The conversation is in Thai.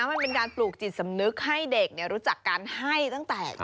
มันเป็นการปลูกจิตสำนึกให้เด็กรู้จักการให้ตั้งแต่